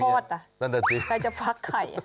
นั่นแหละจริงนั่นแหละจริงใครจะฟักไก่